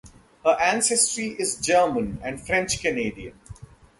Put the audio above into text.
Her ancestry is German and French-Canadian.